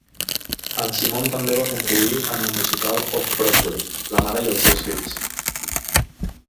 En Simon també va contribuir en el musical off-Broadway "La mare i els seus fills".